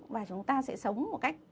và chúng ta sẽ sống một cách tốt hơn